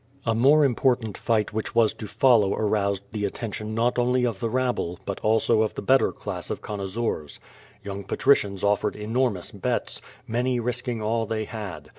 A more important fight which was to follow aroused the at tention not only of the rabble, but also of the better class of connoisseurs. Young patricians offered enormous bets, many risking all they had.